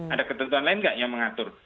ada ketentuan lain nggak yang mengatur